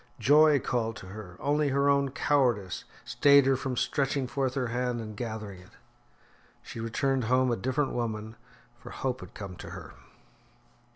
Joy called to her; only her own cowardice stayed her from stretching forth her hand and gathering it. She returned home a different woman, for hope had come to her.